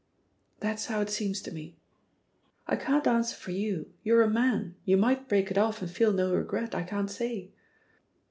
'^That's how it seems to me. I can't answer for you; you're a man, you might break it off and feel no regret — ^I can't say.